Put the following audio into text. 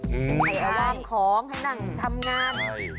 ให้เอาวางของให้นั่งทำงาน